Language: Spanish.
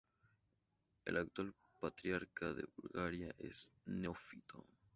El actual patriarca de Bulgaria es Neófito.